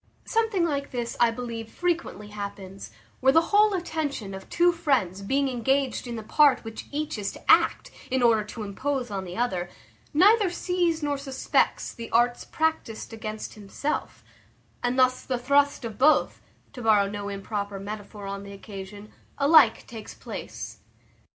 Something like this, I believe, frequently happens, where the whole attention of two friends being engaged in the part which each is to act, in order to impose on the other, neither sees nor suspects the arts practised against himself; and thus the thrust of both (to borrow no improper metaphor on the occasion) alike takes place.